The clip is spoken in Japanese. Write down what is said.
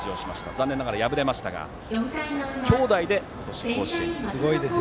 残念ながら敗れましたが兄弟で今年甲子園に出場していると。